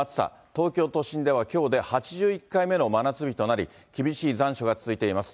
東京都心ではきょうで８１回目の真夏日となり、厳しい残暑が続いています。